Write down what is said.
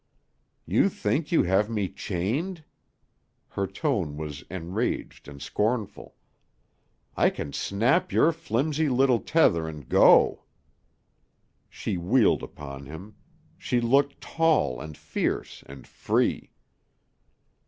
"You think you have me chained?" Her tone was enraged and scornful. "I can snap your flimsy little tether and go." She wheeled upon him. She looked tall and fierce and free.